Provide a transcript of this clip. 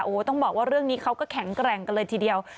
โอ้โหต้องบอกว่าเรื่องนี้เขาก็แข็งแกร่งกันเลยทีเดียว